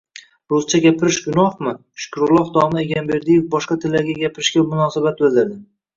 Ruscha gapirish gunohmi? — Shukurulloh domla Egamberdiyev boshqa tillarda gapirishga munosabat bildirdi